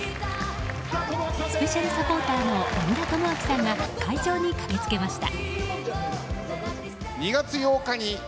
スペシャルサポーターの小倉智昭さんが会場に駆けつけました。